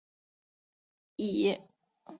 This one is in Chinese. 之后以分镜兼任演出的身分参加过许多作品。